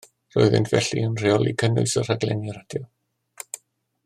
Roeddent felly yn rheoli cynnwys y rhaglenni radio